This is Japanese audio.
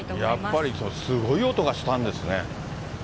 やっぱりすごい音がしたんですね。